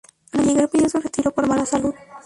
Al llegar pidió su retiro por mala salud.